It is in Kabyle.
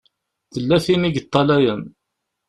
Tella tin i yeṭṭalayen.